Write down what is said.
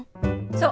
そう。